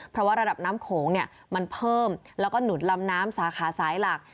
เพราะว่าระดับน้ำโขงมันเพิ่มแล้วก็หนุนลำน้ำสาขาสายหลัก